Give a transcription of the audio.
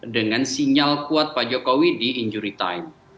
dengan sinyal kuat pak jokowi di injury time